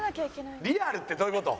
「リアル」ってどういう事？